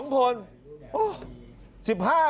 ๒คนโอ้โฮ